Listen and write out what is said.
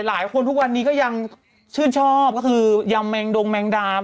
ทุกวันนี้ก็ยังชื่นชอบก็คือยำแมงดงแมงดาม